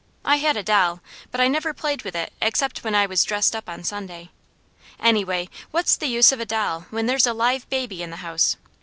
I had a doll, but I never played with it except when I was dressed up on Sunday. Anyway, what's the use of a doll when there's a live baby in the house?